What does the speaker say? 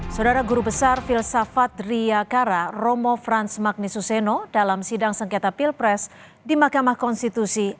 saudara guru besar filsafat riyakara romo frans magnisuseno dalam sidang sengketa pilpres di mahkamah konstitusi